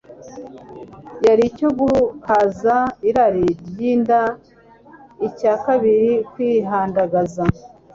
cyari icyo guhaza irari ryinda icya kabiri kwihandagaza